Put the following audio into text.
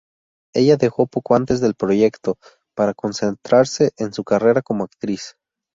Ella dejó poco antes del proyecto para concentrarse en su carrera como actriz.